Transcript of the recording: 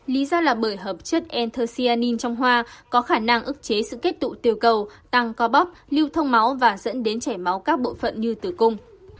lý do là bởi hợp chất nthur cyanin trong hoa có khả năng ức chế sự kết tụ tiêu cầu tăng co bắp lưu thông máu và dẫn đến chảy máu các bộ phận như tử cung